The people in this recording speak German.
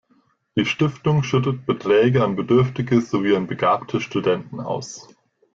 Die Stiftung schüttet Beträge an Bedürftige sowie an begabte Studenten aus.